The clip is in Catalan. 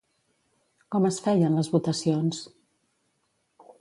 Com es feien les votacions?